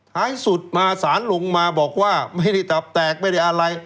ท้ายสุดมาสารลงมาบอกว่าไม่ได้ตับแตกไม่ได้อะไร